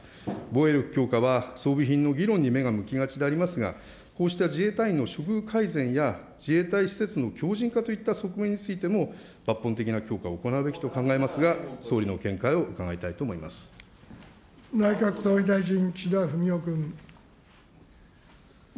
防衛力強化は、装備品の議論に目が向きがちでありますが、こうした自衛隊員の処遇改善や自衛隊施設の強じん化といった側面についても、抜本的な強化を行うべきと考えますが、総理の見解を内閣総理大臣、岸田文雄君。